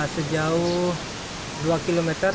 sejauh dua km